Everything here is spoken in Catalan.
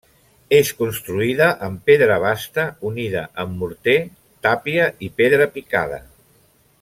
És construïda amb pedra basta unida amb morter, tàpia i pedra picada.